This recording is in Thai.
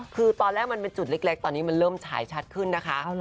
คือตอนแรกมันเป็นจุดเล็กตอนนี้มันเริ่มฉายชัดขึ้นนะคะ